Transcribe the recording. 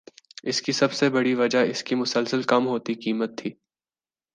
اس کی سب سے بڑی وجہ اس کی مسلسل کم ہوتی قیمت تھی